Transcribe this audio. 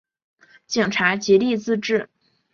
警察极力自制